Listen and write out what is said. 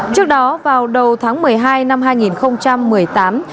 trước đó vào đầu tháng một mươi hai năm hai nghìn một mươi tám